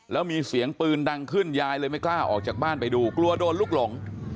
แล้วมีเสียงปืนดังขึ้นยายเลยไม่กล้าออกจากบ้านไปดูกลัวโดนลูกหลง